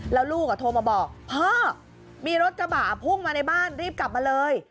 แล้วลูกโทรมาบอกพ่อมีรถกระบะพุ่งมาในบ้านรีบกลับมาเลย